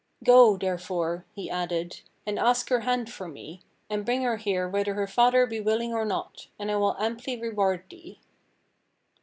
'Go, therefore,' he added, 'and ask her hand for me, and bring her here whether her father be willing or not, and I will amply reward thee.'